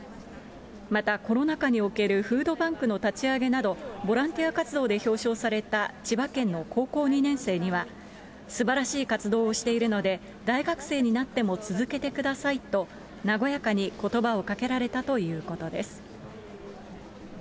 また、コロナ禍におけるフードバンクの立ち上げなど、ボランティア活動で表彰された千葉県の高校２年生には、すばらしい活動をしているので、大学生になっても続けてくださいと和やかにことばをかけられたということです。